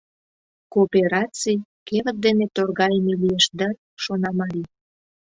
«Коопераций — кевыт дене торгайыме лиеш дыр?» — шона марий.